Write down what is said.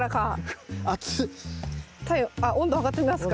温度測ってみますか。